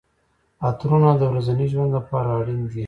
عطرونه د ورځني ژوند لپاره اړین دي.